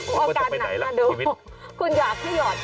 อาการหนักมาดูคุณอยากให้หยอด